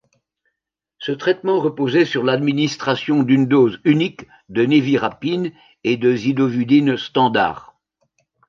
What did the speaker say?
Ce traitement reposait sur l’administration d’une dose unique de névirapine et de zidovudine standard.